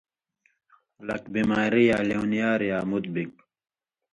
لک بیماری یا لیونئیار یا مُت بِگ۔